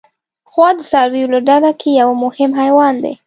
غوا د څارویو له ډله کې یو مهم حیوان دی.